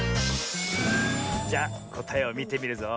じゃこたえをみてみるぞ。